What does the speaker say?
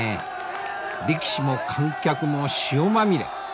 力士も観客も塩まみれ。